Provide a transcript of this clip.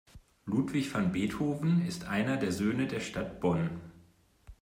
Ludwig van Beethoven ist einer der Söhne der Stadt Bonn.